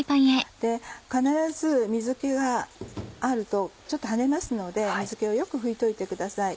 必ず水気があると跳ねますので水気をよく拭いといてください。